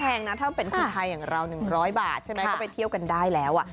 นะถ้าเป็นคนไทยอย่างเรา๑๐๐บาทใช่ไหมก็ไปเที่ยวกันได้แล้ว